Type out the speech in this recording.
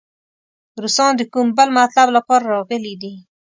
روسان د کوم بل مطلب لپاره راغلي دي.